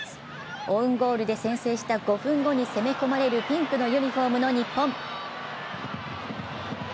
オウンゴールで先制した５分後に攻め込まれるピンクのユニフォームの日本。